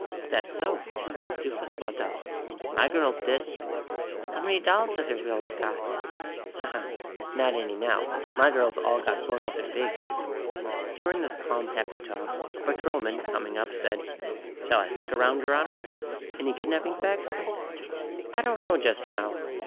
"That's so. Girls do fuss about dolls. My girls did." "How many dolls has your girls got?" "Ha, ha! Not any, now. My girls all got grown up and big." During this calm, happy talk, a patrolman, coming up, said: "Shall I stick around, Your Honor? Any kidnapping facts?" "I don't know, just now.